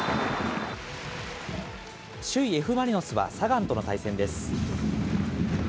首位Ｆ・マリノスは、サガンとの対戦です。